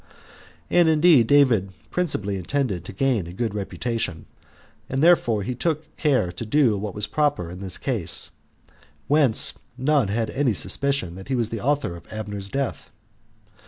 And indeed David principally intended to gain a good reputation, and therefore he took care to do what was proper in this case, whence none had any suspicion that he was the author of Abner's death.